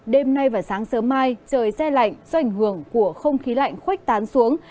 đêm nay và sáng sớm mai trời xe lạnh do ảnh hưởng của không khí lạnh khoách tán xuống